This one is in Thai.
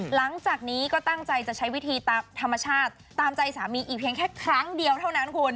หลังจากนี้ก็ตั้งใจจะใช้วิธีตามธรรมชาติตามใจสามีอีกเพียงแค่ครั้งเดียวเท่านั้นคุณ